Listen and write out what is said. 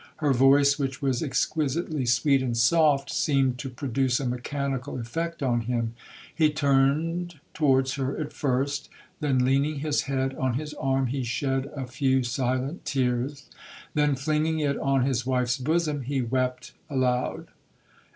Her voice, which was exquisitely sweet and soft, seemed to produce a mechanical effect on him. He turned towards her at first,—then leaning his head on his arm, he shed a few silent tears,—then flinging it on his wife's bosom, he wept aloud.